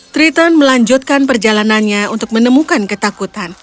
triton melanjutkan perjalanannya untuk menemukan ketakutan